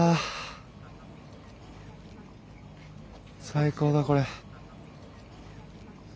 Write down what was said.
最高だこれ。はあ。